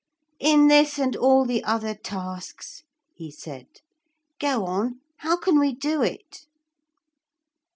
'In this and all the other tasks,' he said. 'Go on. How can we do it?'